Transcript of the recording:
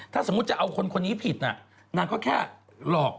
ถ้าสมมุติจะเอาคนนี้ผิดน่ะนางก็แค่หลอก